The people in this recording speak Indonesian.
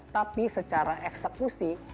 tapi secara eksekusi